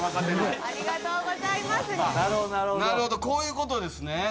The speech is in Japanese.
こういうことですね。